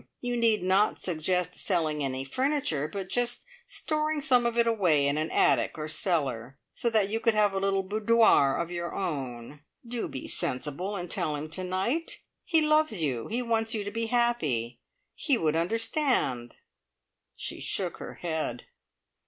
You need not suggest selling any furniture, but just storing some of it away in an attic or cellar, so that you could have a little boudoir of your own. Do be sensible, and tell him to night. He loves you. He wants you to be happy. He would understand." She shook her head.